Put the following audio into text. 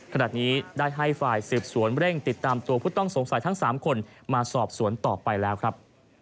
ขณะนี้ได้ให้ฝ่ายสืบสวนเร่งติดตามตัวผู้ต้องสงสัยทั้ง๓คนมาสอบสวนต่อไปแล้วครับ